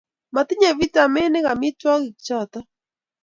matinye vitaminik amitwogik choto